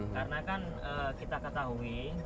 karena kan kita ketahui